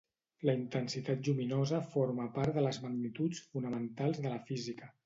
La intensitat lluminosa forma part de les magnituds fonamentals de la física.